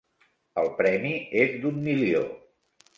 El premi és d'un milió.